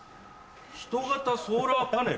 「人型ソーラーパネル」？